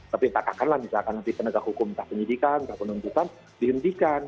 tapi katakanlah misalkan nanti penegak hukum entah penyidikan entah penuntutan dihentikan